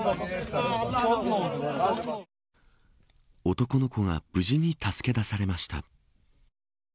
男の子が無事に助け出されました。